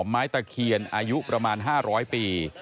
ไม้ตะเคียนอายุประมาณ๕๐๐ปี